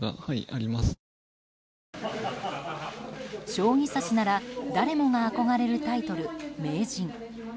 将棋指しなら誰もが憧れるタイトル、名人。